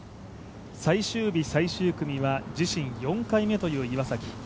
最終日最終組は自身４回目という岩崎。